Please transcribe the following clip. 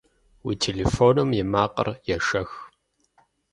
Уи телефоным и макъыр ешэх!